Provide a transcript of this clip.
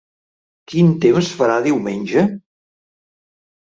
Quin temps farà diumenge?